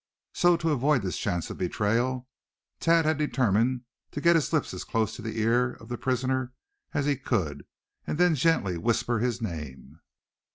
So, to avoid this chance of betrayal, Thad had determined to get his lips as close to the ear of the prisoner as he could, and then gently whisper his name.